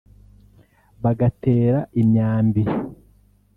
bagatera imyambi